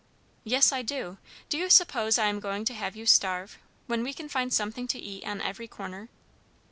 "Yes I do. Do you suppose I am going to have you starve, when we can find something to eat on every corner?"